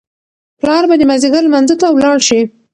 پلار به د مازیګر لمانځه ته ولاړ شي.